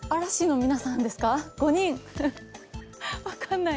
分かんない。